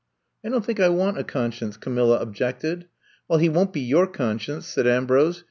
'' *^I don't think I want a conscience," Camilla objected. Well, he won't be your conscience," said Ambrose.